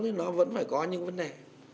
nó vẫn phải có những vấn đề